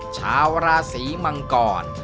ชาวราศีมังกร